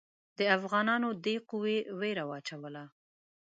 د افغانانو دې قوې وېره واچوله.